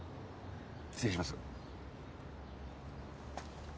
失礼します。